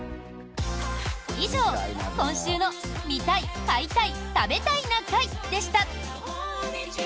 以上、今週の「見たい買いたい食べたいな会」でした。